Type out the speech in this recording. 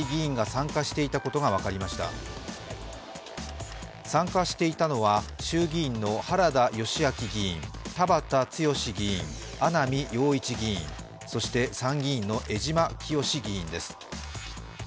参加していたのは衆議院の原田義昭議員、田畑毅議員、穴見陽一議員、そして参議院の江島潔議員です。